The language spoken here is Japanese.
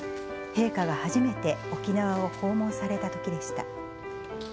陛下が初めて沖縄を訪問されたときでした。